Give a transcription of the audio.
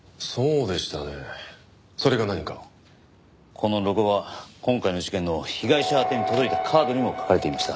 このロゴは今回の事件の被害者宛てに届いたカードにも描かれていました。